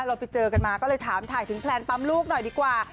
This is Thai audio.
เราไปเจอกันมาก็เลยถามถ่ายถึงแพลนปั๊มลูกหน่อยดีกว่า